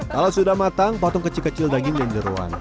kalau sudah matang potong kecil kecil daging dan jeruan